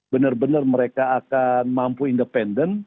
benar benar mereka akan mampu independen